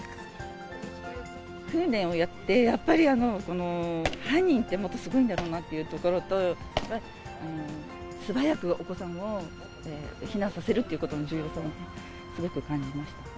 訓練をやって、やっぱり犯人ってもっとすごいんだろうなというところと、素早くお子さんを避難させるということの重要性をすごく感じまし